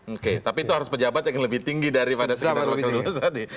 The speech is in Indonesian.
oke tapi itu harus pejabat yang lebih tinggi daripada sekedar wakil dua tadi